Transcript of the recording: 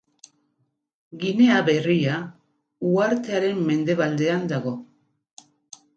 Ginea Berria uhartearen mendebaldean dago.